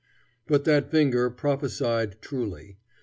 But that finger prophesied truly.